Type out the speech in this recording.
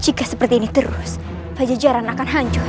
jika seperti ini terus pajajaran akan hancur